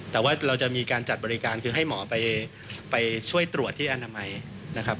แต่ว่าเราจะมีการจัดบริการคือให้หมอไปช่วยตรวจที่อนามัยนะครับ